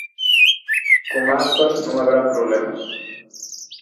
Con Aspas non haberá problema.